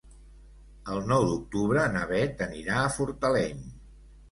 El nou d'octubre na Beth anirà a Fortaleny.